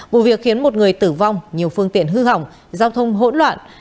vụ việc khiến một người tử vong nhiều phương tiện hư hỏng giao thông hỗn loạn